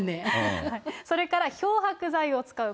それから、漂白剤を使う。